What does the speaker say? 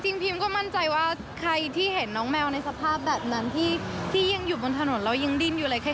พิมก็มั่นใจว่าใครที่เห็นน้องแมวในสภาพแบบนั้นที่ยังอยู่บนถนนเรายังดิ้นอยู่เลย